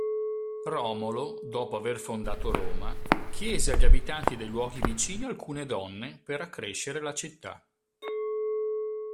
Romolo, dopo aver fondato Roma, chiese agli abitanti dei luoghi vicini alcune donne per accrescere la città.